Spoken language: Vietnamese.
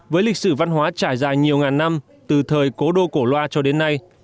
với lịch sử văn hóa trải dài nhiều ngàn năm từ thời cố đô cổ loa cho đến nay